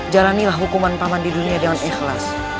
jalanilah hukuman paman di dunia dengan ikhlas